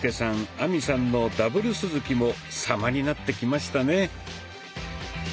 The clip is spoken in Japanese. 亜美さんのＷ鈴木も様になってきましたね。